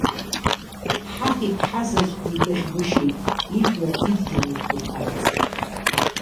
Ҳаҳ иԥҳазаҵә дигәаӷьгәышьеит, ижәлар, идгьыл еиқәирхарц.